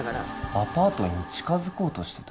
アパートに近づこうとしてた？